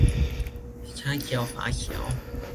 'ชาเขียวฝาเขียว